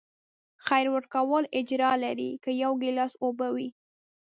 خیر ورکول اجر لري، که یو ګیلاس اوبه وي.